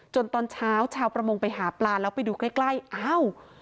ตอนเช้าชาวประมงไปหาปลาแล้วไปดูใกล้ใกล้อ้าว